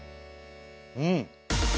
うん！